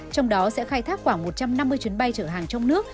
trong đó sẽ khai thác khoảng một trăm năm mươi chuyến bay chở hàng trong nước